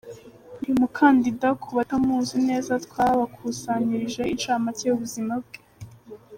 Buri mukandida ku batamuzi neza twabakusanyirije inshamake y’ubuzima bwe.